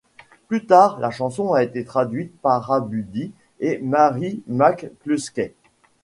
Plus tard la chanson a été traduite para Buddy et Mary McCluskey.